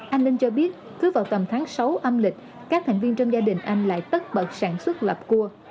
anh linh cho biết cứ vào tầm tháng sáu âm lịch các thành viên trong gia đình anh lại tất bật sản xuất lập cua